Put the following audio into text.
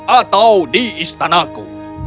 atau di istanaku